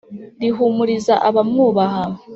rihumuriza abamwubaha